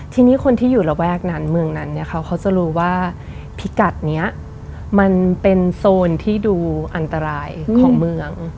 ทีนี้คนที่อยู่ระแวกนั้นเมืองนั้นเนี่ยเขาจะรู้ว่าพิกัดนี้มันเป็นโซนที่ดูอันตรายของเมือง